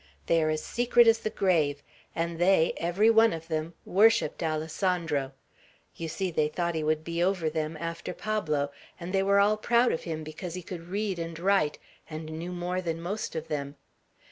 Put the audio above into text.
They are as secret as the grave. And they, every one of them, worshipped Alessandro. You see they thought he would be over them, after Pablo, and they were all proud of him because he could read and write, and knew more than most of them.